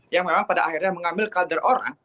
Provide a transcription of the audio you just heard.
yang memang pada akhirnya mengambil kader orang